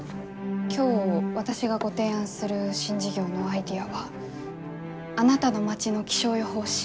今日私がご提案する新事業のアイデアは「あなたの町の気象予報士